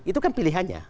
itu kan pilihannya